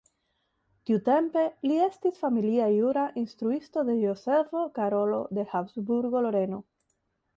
Tiutempe li estis familia jura instruisto de Jozefo Karolo de Habsburgo-Loreno.